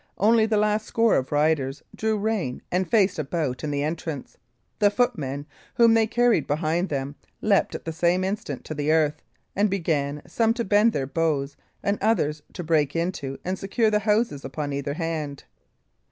Only the last score of riders drew rein and faced about in the entrance; the footmen, whom they carried behind them, leapt at the same instant to the earth, and began, some to bend their bows, and others to break into and secure the houses upon either hand.